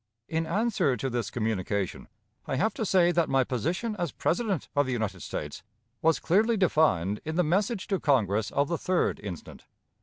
In answer to this communication, I have to say that my position as President of the United States was clearly defined in the message to Congress of the 3d instant.